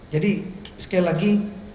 jadi sekali lagi